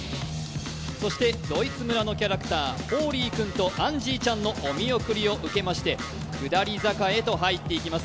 そしてドイツ村のキャラクターホーリー君とアンジーちゃんのお見送りを受けまして、下り坂へと入っていきます。